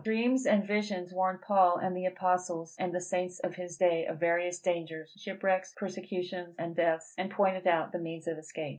Dreams and visions warned Paul, and the Apostles, and the Saints of his day, of various dangers, shipwrecks, persecutions and deaths, and pointed out the means of escape.